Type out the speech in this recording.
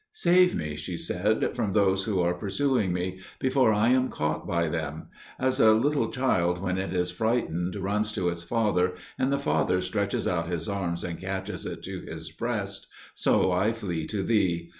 "Save me," she said, "from those who are pursuing me, before I am caught by them; as a little child when it is frightened runs to its father, and the father stretches out his arms and catches it to his breast, so I flee to Thee.